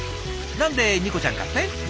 何でニコちゃんかって？